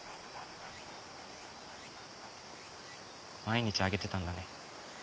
毎日あげてたんだね。